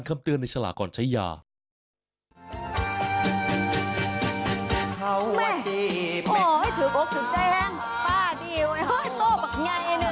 คุณธรัชพรคุณธรรมนาย